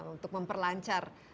untuk memperlancar ekspornya